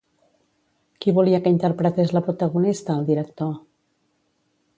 Qui volia que interpretés la protagonista, el director?